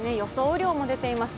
雨量も出ています。